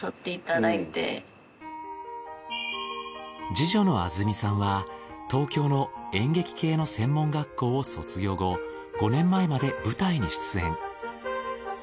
二女の天澄さんは東京の演劇系の専門学校を卒業後５年前まで舞台に出演。